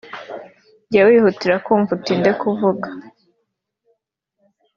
jya wihutira kumva utinde kuvuga